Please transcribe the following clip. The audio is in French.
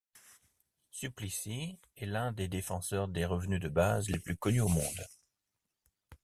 Suplicy est l'un des défenseurs du revenu de base les plus connus au monde.